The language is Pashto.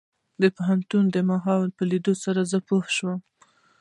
د پوهنتون ماحول په ليدلو سره زه پوه شوم.